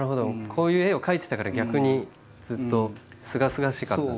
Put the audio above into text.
こういう絵を描いてたから逆にずっとすがすがしかった。